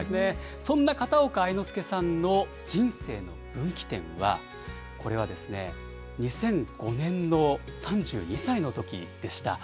そんな片岡愛之助さんの人生の分岐点は、これはですね、２００５年の３２歳のときでした。